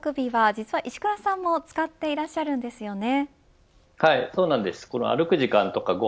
実は石倉さんも使っていらっしゃるんですよね。